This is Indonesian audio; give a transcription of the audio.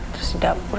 terus di dapur